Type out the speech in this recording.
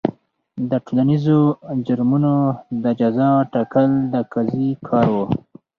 د ټولنیزو جرمونو د جزا ټاکل د قاضي کار و.